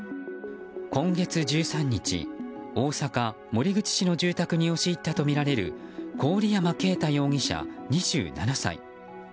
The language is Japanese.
今月１３日、大阪守口市の住宅に押し入ったとみられる郡山啓太容疑者、２７歳。